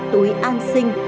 túi an sinh